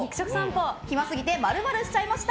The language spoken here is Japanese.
暇すぎて○○しちゃいました！